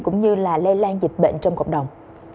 cũng như lây lan dịch bệnh trong cộng đồng